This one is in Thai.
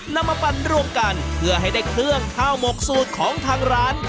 นำมาปั่นรวมกันเพื่อให้ได้เครื่องข้าวหมกสูตรของทางร้าน